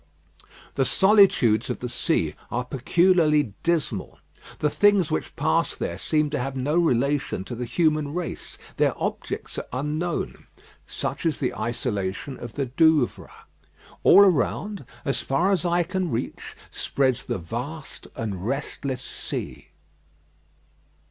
The solitudes of the sea are peculiarly dismal. The things which pass there seem to have no relation to the human race; their objects are unknown. Such is the isolation of the Douvres. All around, as far as eye can reach, spreads the vast and restless sea.